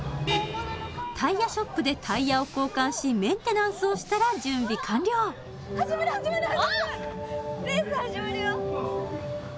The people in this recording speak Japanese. タイヤショップでタイヤを交換しメンテナンスをしたら準備完了レース始まるよ！